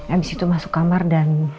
abis itu masuk kamar dan